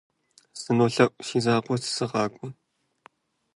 СынолъэӀу, си закъуэ сыгъакӀуэ.